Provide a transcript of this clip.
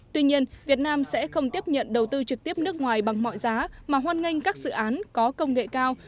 tuy nhiên việt nam sẽ không tiếp nhận đầu tư trực tiếp nước ngoài bằng mọi giá mà hoan nghênh các dự án có công nghệ cao